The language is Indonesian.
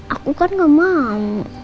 aku kan gak mau